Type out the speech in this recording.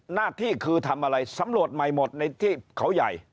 หน้าที่คือทำอะไรสำรวจใหม่หมดในที่เขาใหญ่